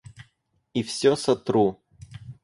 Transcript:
И все сотру!